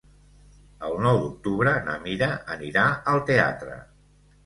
El nou d'octubre na Mira anirà al teatre.